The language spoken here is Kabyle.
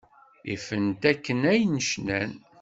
Ifen-t akken ay cnan.